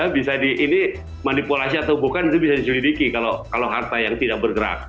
bisa di ini manipulasi atau bukan itu bisa diselidiki kalau harta yang tidak bergerak